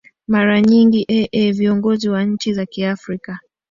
mara nyingi ee viongozi wa nchi za kiafrika